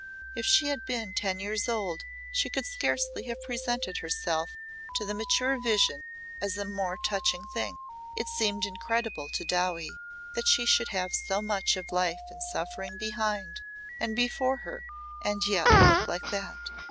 If she had been ten years old she could scarcely have presented herself to the mature vision as a more touching thing. It seemed incredible to Dowie that she should have so much of life and suffering behind and before her and yet look like that.